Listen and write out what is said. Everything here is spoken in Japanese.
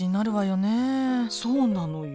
そうなのよ。